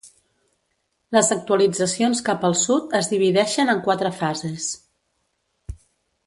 Les actualitzacions cap al sud es divideixen en quatre fases.